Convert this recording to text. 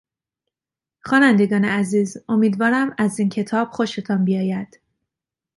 خوانندگان عزیز امیدوارم از این کتاب خوشتان بیاید.